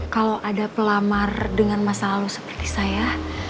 kalau ada pelamar dengan masa lalu seperti saya